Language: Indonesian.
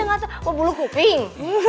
ya gak tau oh bulu kuping